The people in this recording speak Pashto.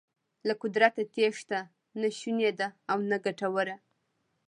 له قدرته تېښته نه شونې ده او نه ګټوره.